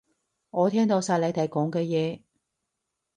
我聽到晒你哋講嘅嘢